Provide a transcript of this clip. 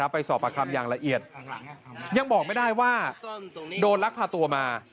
ไปสอบประคำอย่างละเอียดยังบอกไม่ได้ว่าโดนลักพาตัวมา